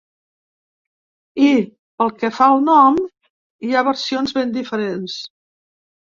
I, pel que fa al nom, hi ha versions ben diferents.